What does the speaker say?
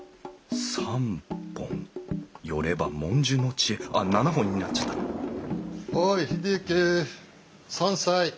３本寄れば文殊の知恵あっ７本になっちゃったおい英之山菜。